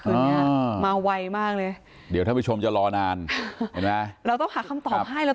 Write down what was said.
คือนี้เหมือนมาไว้มากเลยเดี๋ยวถ้าผู้ชมจะรอนานใช่ไหมเราต้องหาคำตอบให้แล้ว